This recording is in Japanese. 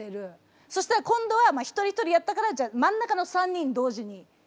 そしたら今度は一人一人やったから真ん中の３人同時に。